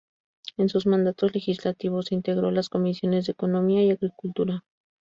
En sus mandatos legislativos, integró las comisiones de Economía y Agricultura.